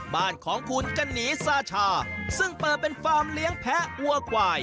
บ้านของคุณกะหนีซาชาซึ่งเปิดเป็นฟาร์มเลี้ยงแพ้วัวควาย